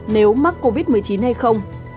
nếu mắc covid một mươi chín hay không